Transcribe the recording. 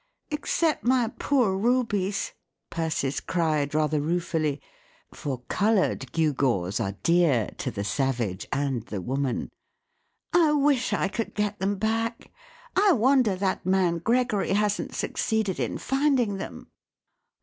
" Except my poor rubies !" Persis cried rather ruefully, for coloured gewgaws are dear to the savage and the woman. " I wish I could get them back ! I wonder that man Gregory hasn't succeeded in finding them."